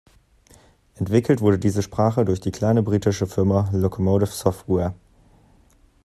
Entwickelt wurde diese Sprache durch die kleine britische Firma "Locomotive Software".